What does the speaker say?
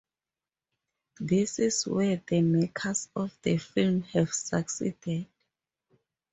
This is where the makers of the film have succeeded.